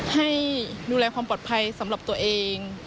ให้ดูแลความปลอดภัยสำหรับตัวเอง